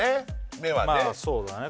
目はね